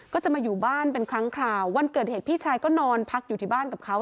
ก็จะมาอยู่บ้านเป็นครั้งคราววันเกิดเหตุพี่ชายก็นอนพักอยู่ที่บ้านกับเขา